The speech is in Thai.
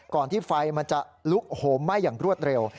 ที่ไฟมันจะลุกโหมไหม้อย่างรวดเร็ว